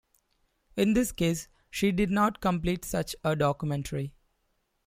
In this case, she did not complete such a documentary.